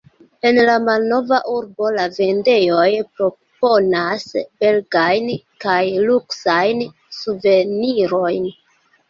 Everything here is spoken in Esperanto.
En la malnova urbo la vendejoj proponas belegajn kaj luksajn suvenirojn.